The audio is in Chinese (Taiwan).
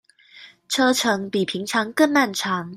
車程比平常更漫長